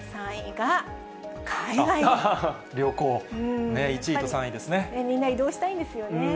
旅行、みんな移動したいんですよね。